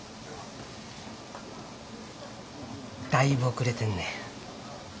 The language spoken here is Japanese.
だいぶ遅れてんねん。